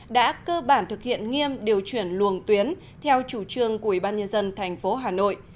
đã cơ bản thực hiện nghiêm điều chuyển luồng tuyến theo chủ trương của ủy ban nhân dân thành phố hà nội